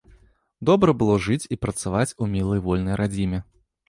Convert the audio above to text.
Добра было жыць і працаваць у мілай вольнай радзіме.